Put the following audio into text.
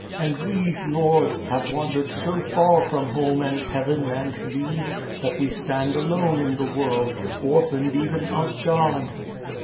And we, Lord, have wandered so far from home and heaven and Thee, that we stand alone in the world, orphaned even of God.